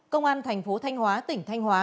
công an tp thanh hóa tỉnh thanh hóa